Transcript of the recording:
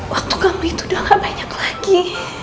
waktu kamu itu udah gak banyak lagi